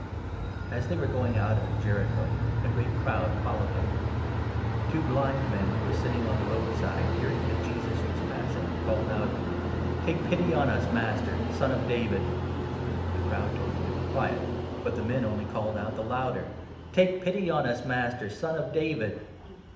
" As they were going out of Jericho, a great 29 two blind crowd followed him. Two blind men who were 30 "ton. sitting by the road side, hearing that Jesus was passing, called out :" Take pity on us, Master, Son of David !" The crowd told them to be quiet ; but the men only called out 31 the louder : "Take pity on us, Master, Son of David